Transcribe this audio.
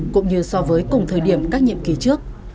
cũng như so với cùng thời điểm các nhiệm kỳ trước